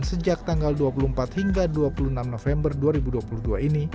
sejak tanggal dua puluh empat hingga dua puluh enam november dua ribu dua puluh dua ini